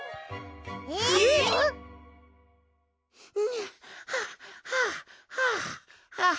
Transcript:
んはあはあはあはあ。